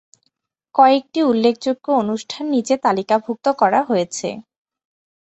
কয়েকটি উল্লেখযোগ্য অনুষ্ঠান নিচে তালিকাভুক্ত করা হয়েছে।